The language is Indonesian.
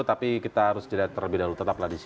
tapi kita harus terlebih dahulu tetap ladisi